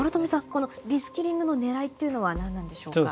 このリスキリングのねらいっていうのは何なんでしょうか？